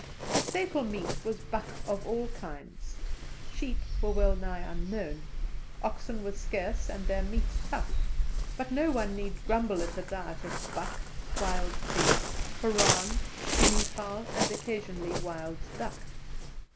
The staple meat was buck of all kinds; sheep were wellnigh unknown, oxen were scarce and their meat tough; but no one need grumble at a diet of buck, wild pig, koran, guinea fowl, and occasionally wild duck.